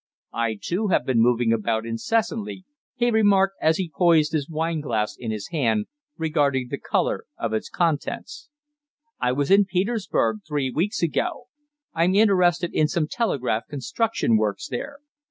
"I, too, have been moving about incessantly," he remarked, as he poised his wine glass in his hand, regarding the colour of its contents. "I was in Petersburg three weeks ago. I'm interested in some telegraph construction works there.